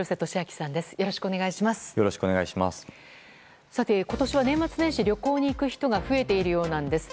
さて、今年は年末年始旅行に行く人が増えているようなんです。